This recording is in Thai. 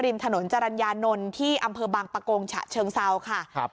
ริมถนนจรรยานนท์ที่อำเภอบางปะโกงฉะเชิงเซาค่ะครับ